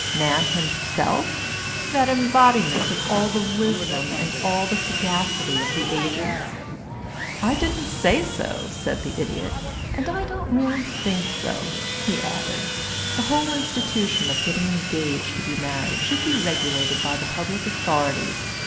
Man himself that embodiment of all the wisdom and all the sagacity of the ages?" "I didn't say so," said the Idiot. "And I don't really think so," he added. "The whole institution of getting engaged to be married should be regulated by the public authorities.